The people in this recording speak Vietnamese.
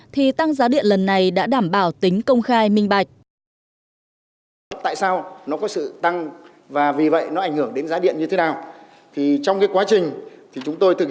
thì tăng giá điện lần này đã đảm bảo tính công khai minh bạch